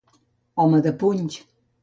Home de punys.